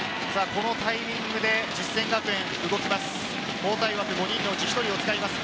このタイミングで実践学園、動きます。